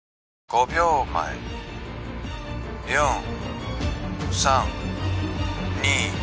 ５秒前４３２